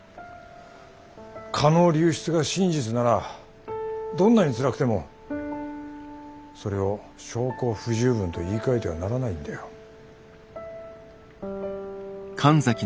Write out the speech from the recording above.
蚊の流出が真実ならどんなにつらくてもそれを証拠不十分と言いかえてはならないんだよ。